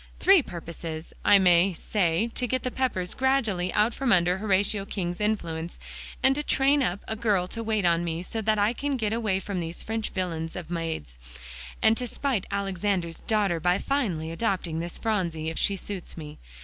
Three purposes, I may say to get the Peppers gradually out from under Horatio King's influence, and to train up a girl to wait on me so that I can get away from these French villains of maids, and to spite Alexander's daughter by finally adopting this Phronsie if she suits me.